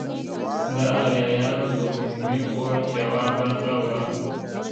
د آریایانو د عمومي کوچ یوه برخه وه.